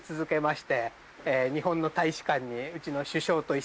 日本の大使館にうちの。